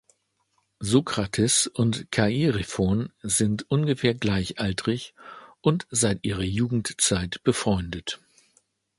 Sokrates und Chairephon sind ungefähr gleichaltrig und seit ihrer Jugendzeit befreundet.